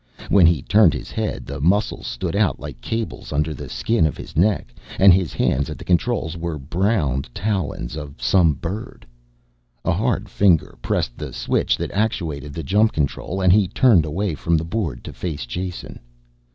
When he turned his head the muscles stood out like cables under the skin of his neck and his hands at the controls were the browned talons of some bird. A hard finger pressed the switch that actuated the jump control, and he turned away from the board to face Jason.